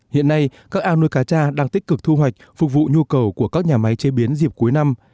hiện nay các ao nuôi cá tra đang tích cực thu hoạch phục vụ nhu cầu của các nhà máy chế biến dịp cuối năm